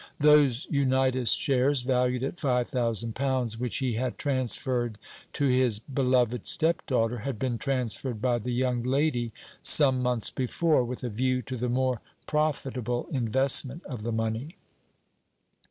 Those Unitas shares valued at five thousand pounds, which he had transferred to his beloved stepdaughter, had been retransferred by the young lady some months before, with a view to the more profitable investment of the money.